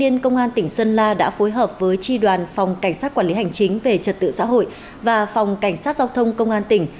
hiện công an tỉnh sơn la đã phối hợp với tri đoàn phòng cảnh sát quản lý hành chính về trật tự xã hội và phòng cảnh sát giao thông công an tỉnh